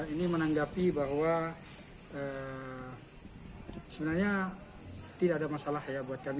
ini menanggapi bahwa sebenarnya tidak ada masalah ya buat kami